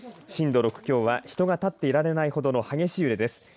震度６強は人が立っていられないほどの激しい揺れです。